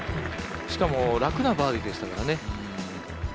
しかも、楽なバーディーでしたからね。